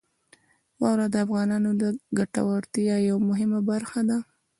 واوره د افغانانو د ګټورتیا یوه مهمه برخه ده.